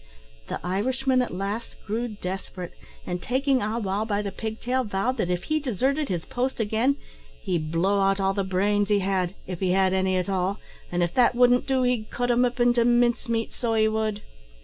The Irishman at last grew desperate, and, taking Ah wow by the pig tail, vowed that if he deserted his post again, "he'd blow out all the brains he had if he had any at all an' if that wouldn't do, he'd cut him up into mince meat, so he would."